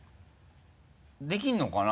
できるのかな？